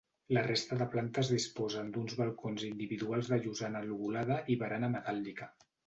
La resta de plantes disposen d'uns balcons individuals de llosana lobulada i barana metàl·lica.